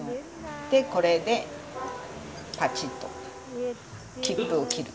でこれでパチンと切符を切る。